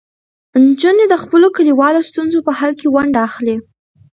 نجونې د خپلو کلیوالو ستونزو په حل کې ونډه اخلي.